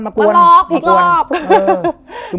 มาล็อกอีกรอบ